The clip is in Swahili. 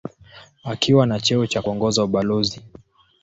Akiwa na cheo cha kuongoza ubalozi.